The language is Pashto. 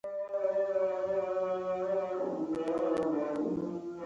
ځغاسته د بریالیتوب کلۍ ده